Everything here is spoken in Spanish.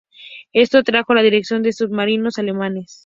Esto atrajo la atención de los submarinos alemanes.